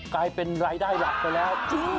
กลายเป็นรายได้หลักไปแล้ว